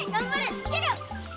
いけるよ！